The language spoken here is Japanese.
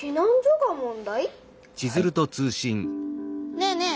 ねえねえ